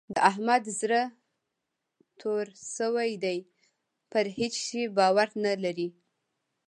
د احمد زړه توری شوی دی؛ پر هيڅ شي باور نه لري.